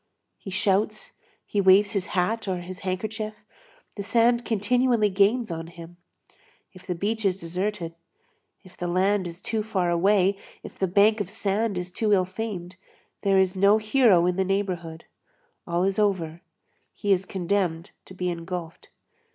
He shouts, he waves his hat, or his handkerchief, the sand continually gains on him; if the beach is deserted, if the land is too far away, if the bank of sand is too ill famed, there is no hero in the neighborhood, all is over, he is condemned to be engulfed.